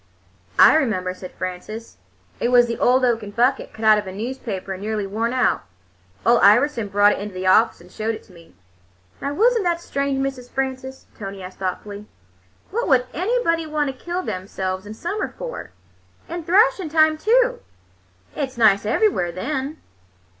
"I remember," said Frances. "It was 'The Old Oaken Bucket,' cut out of a newspaper and nearly worn out. Ole Iverson brought it into the office and showed it to me." "Now, was n't that strange, Miss Frances?" Tony asked thoughtfully. "What would anybody want to kill themselves in summer for? In thrashing time, too! It's nice everywhere then."